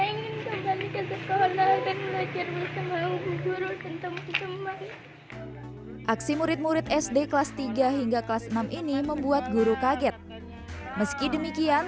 aksi murid murid sd kelas tiga hingga kelas enam ini membuat guru kaget meski demikian